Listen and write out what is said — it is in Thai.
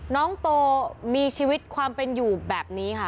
น้องโตมีชีวิตความเป็นอยู่แบบนี้ค่ะ